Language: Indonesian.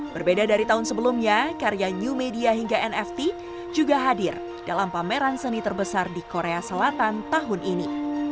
berbeda dari tahun sebelumnya karya new media hingga nft juga hadir dalam pameran seni terbesar di korea selatan tahun ini